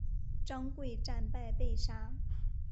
张贵战败被杀。